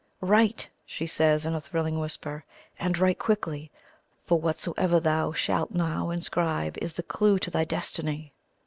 "Write!" she says, in a thrilling whisper; "and write quickly! for whatsoever thou shalt now inscribe is the clue to thy destiny."